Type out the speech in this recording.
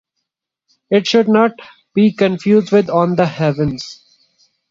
It should not be confused with "On the Heavens".